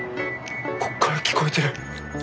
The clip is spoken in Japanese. こっから聞こえてる。